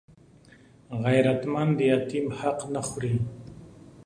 غیرتمند د یتیم حق نه خوړوي